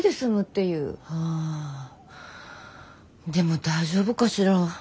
あでも大丈夫かしら。